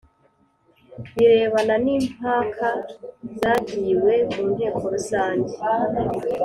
Birebana n impaka zagiwe mu nteko rusange